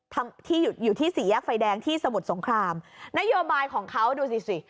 ที่อยู่อยู่ที่สี่แยกไฟแดงที่สมุทรสงครามนโยบายของเขาดูสิสิ